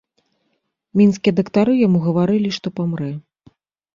Мінскія дактары яму гаварылі, што памрэ.